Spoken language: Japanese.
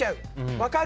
分かる！